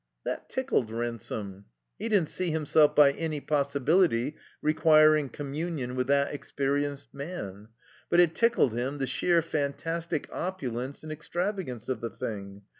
That tickled Ransome. He didn't see himself by any possibility requiring commiuiion with that experienced man. But it tickled him, the sheer fantastic optdence and extravagance of the thing.